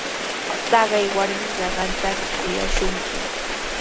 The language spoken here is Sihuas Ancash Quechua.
Taqay warmiqa qamtami kuyashunki.